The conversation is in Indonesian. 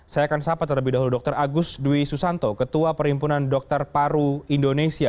saya akan sahabat terlebih dahulu dr agus dwi susanto ketua perhimpunan dokter paru indonesia